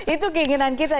itu keinginan kita